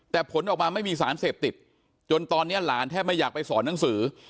แต่ผลออกมาไม่มีสารเสพติดจนตอนนี้หลานแทบไม่อยากไปสอนหนังสือ